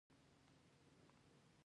لوېدیځو هېوادونو وګړي د ګناه احساس کوي.